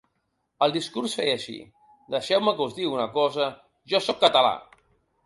El discurs feia així: Deixeu-me que us digui una cosa… jo sóc català.